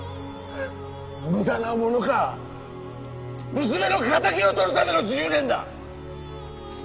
無駄なものか娘の仇をとるための１０年だ！